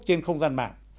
trên không gian mạng